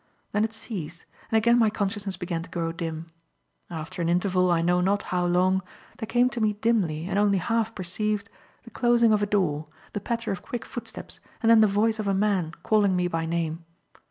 Then it ceased, and again my consciousness began to grow dim. After an interval, I know not how long, there came to me dimly and only half perceived, the closing of a door, the patter of quick footsteps, and then the voice of a man calling me by name.